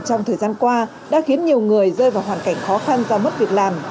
trong thời gian qua đã khiến nhiều người rơi vào hoàn cảnh khó khăn do mất việc làm